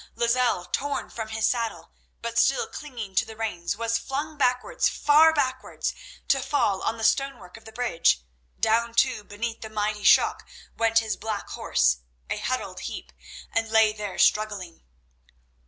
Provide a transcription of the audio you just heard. Lozelle, torn from his saddle, but still clinging to the reins, was flung backwards, far backwards, to fall on the stonework of the bridge. Down, too, beneath the mighty shock went his black horse, a huddled heap, and lay there struggling.